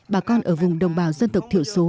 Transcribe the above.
bà con ở vùng đồng bào dân tộc thiểu số